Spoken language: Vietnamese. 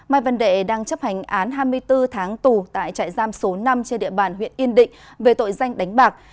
mai văn đệ đang chấp hành án hai mươi bốn tháng tù tại trại giam số năm trên địa bàn huyện yên định về tội danh đánh bạc